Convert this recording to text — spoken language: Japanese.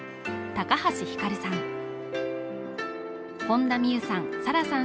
高橋ひかるさん